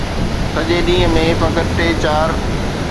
سڄي ڏينهن ۾ فقط ٽي چار.